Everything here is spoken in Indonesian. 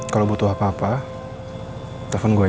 kalau butuh apa apa telpon gue